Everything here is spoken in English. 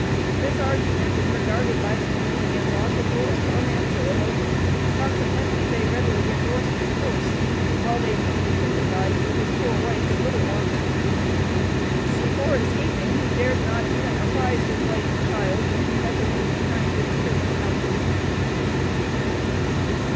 This argument was regarded by the Committee as logical and unanswerable; consequently they readily endorsed his course, while they deeply sympathized with his poor wife and little ones. "Before escaping," he "dared not" even apprise his wife and child, whom he had to leave behind in the prison house.